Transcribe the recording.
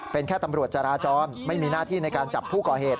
เป็นแค่ตำรวจจราจรไม่มีหน้าที่ในการจับผู้ก่อเหตุ